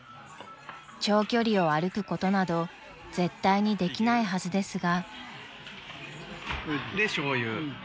［長距離を歩くことなど絶対にできないはずですが］